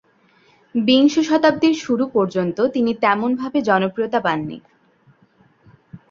বিংশ শতাব্দীর শুরু পর্যন্ত তিনি তেমন ভাবে জনপ্রিয়তা পাননি।